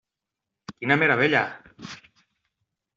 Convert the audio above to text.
Quina meravella!